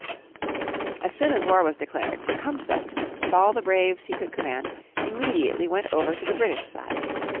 As soon as war was declared Tecumseh, with all the braves he could command, immediately went over to the British side.